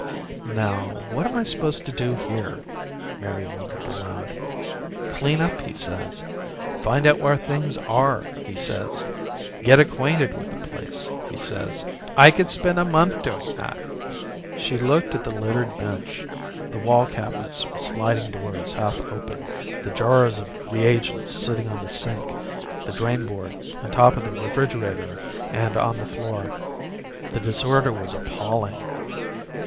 "Now what am I supposed to do here?" Mary wondered aloud. "Clean up, he says. Find out where things are, he says. Get acquainted with the place, he says. I could spend a month doing that." She looked at the littered bench, the wall cabinets with sliding doors half open, the jars of reagents sitting on the sink, the drainboard, on top of the refrigerator and on the floor. The disorder was appalling.